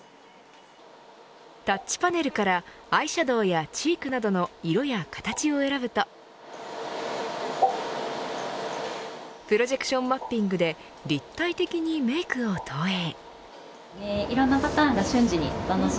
タッチパネルからアイシャドーやチークなどの色や形を選ぶとプロジェクションマッピングで立体的にメイクを投影。